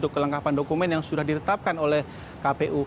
kelengkapan dokumen yang sudah ditetapkan oleh kpu